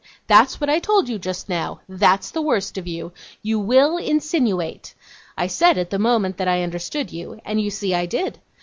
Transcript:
That's what I told you just now. That's the worst of you. You WILL insinuate. I said, at the moment, that I understood you, and you see I did.